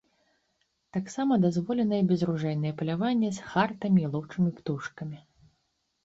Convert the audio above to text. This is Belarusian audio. Таксама дазволенае безружэйнае паляванне з хартамі і лоўчымі птушкамі.